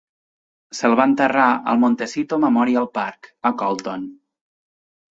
Se'l va enterrar al Montecito Memorial Park, a Colton.